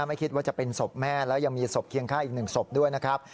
ไม่คิดว่าจะเป็นศพแม่แล้วยังมีศพเคียงข้างอีก๑ศพด้วยนะครับ